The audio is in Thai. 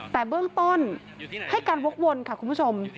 แต่เบื้องต้นให้การวกวนค่ะคุณผู้ชม